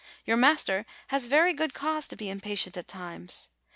Your master has very good cause to be impatient at times!